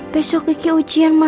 besok kiki ujian masuk